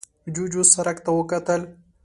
جوجو سرک ته وکتل.